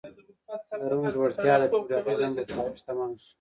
د روم ځوړتیا د فیوډالېزم په پایښت تمام شو